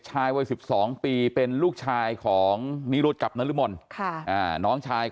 วัย๑๒ปีเป็นลูกชายของนิรุธกับนรมนน้องชาย